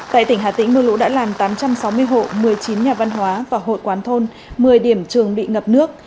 tại tỉnh hà tĩnh mưa lũ đã làm tám trăm sáu mươi hộ một mươi chín nhà văn hóa và hội quán thôn một mươi điểm trường bị ngập nước